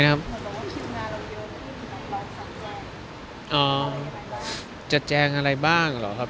เราแบบว่าต้องเตรียมตัวหรือแบบพร้อมตัวไงบ้างวันอาจารย์